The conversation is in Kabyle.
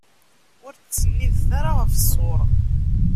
Ur ttennidet ara ɣef ṣṣuṛ.